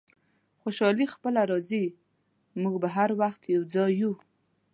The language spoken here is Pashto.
خوشحالي خپله راځي، موږ به هر وخت یو ځای یو.